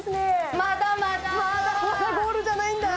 まだゴールじゃないんだ。